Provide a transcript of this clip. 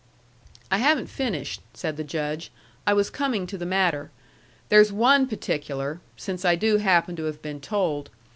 "I haven't finished," said the Judge. "I was coming to the matter. There's one particular since I do happen to have been told.